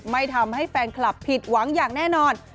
ไม่ทำให้แฟนคลับผิดหวังอย่างแน่นอน